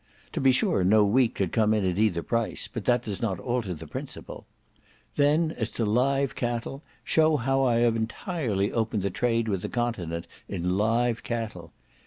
To be sure no wheat could come in at either price, but that does not alter the principle. Then as to live cattle, show how I have entirely opened the trade with the continent in live cattle.